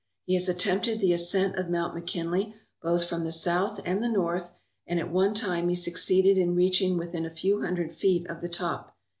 He has attempted the ascent of Mount McKinley both from the south and the north, and at one time he succeeded in reaching within a few hundred feet of the top.